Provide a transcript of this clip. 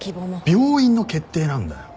病院の決定なんだよ！